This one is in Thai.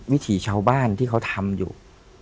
วิถีชาวบ้านที่เขาทำอยู่